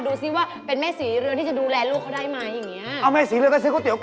ดูซิว่าเป็นแม่ศรีเรือนที่จะดูแลลูกเขาได้ไหมอย่างนี้